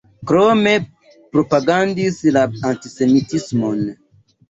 Krome propagandis la antisemitismon.